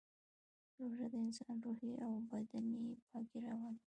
روژه د انسان روحي او بدني پاکي راولي